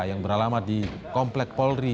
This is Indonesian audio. yang beralamat di komplek polri